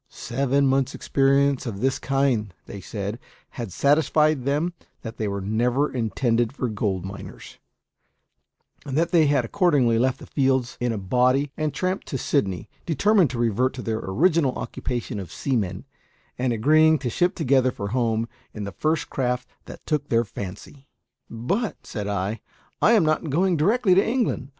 Seven months' experience of this kind, they said, had satisfied them that they were never intended for gold miners; and they had accordingly left the fields in a body, and tramped to Sydney, determined to revert to their original occupation of seamen, and agreeing to ship together for home in the first craft that took their fancy. "But," said I, "I am not going directly to England.